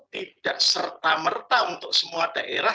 tidak serta merta untuk semua daerah